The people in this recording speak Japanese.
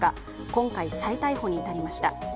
今回、再逮捕に至りました。